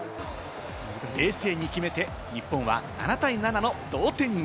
冷静に決めて、日本は７対７の同点に。